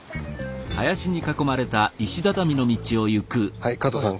はい加藤さん